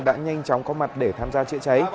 đã nhanh chóng có mặt để tham gia chữa cháy